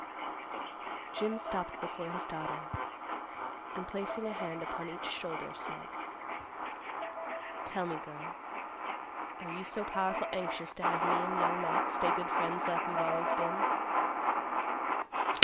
Jim stopped before his daughter, and, placing a hand upon each shoulder, said, "Tell me, girl; are you so powerful anxious to have me and Young Matt stay good friends like we've always been?"